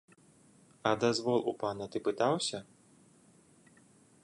А дазвол у пана ты пытаўся?